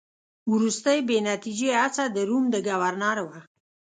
وروستۍ بې نتیجې هڅه د روم د ګورنر وه.